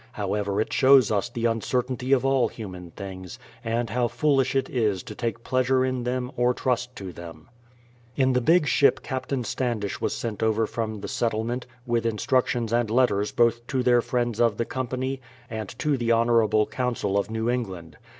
However, it shows us the uncertainty of all human things, and how foolish it is to take pleasure in them or trust to them. In the big ship Captain Standish was sent over from the settlement, with instructions and letters both to their friends of the company and to the honourable Council of THE PLYMOUTH SETTLEMENT 167 New England.